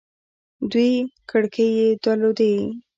دوې کړکۍ يې در لودې.